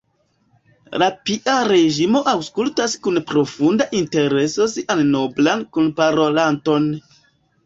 La pia reĝino aŭskultas kun profunda intereso sian noblan kunparolanton.